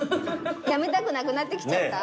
やめたくなくなってきちゃった？